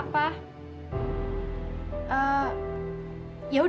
eh ya udah kalo gitu lo bilang aja hari ini gue libur